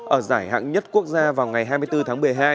ở giải hạng nhất quốc gia vào ngày hai mươi bốn tháng một mươi hai